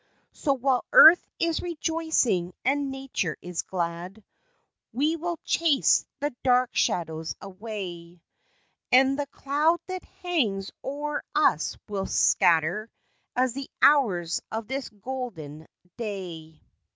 So while earth is rejoicing and nature is glad, We will chase the dark shadows away, And the cloud that hangs o'er us will scatter As the hours of this golden day.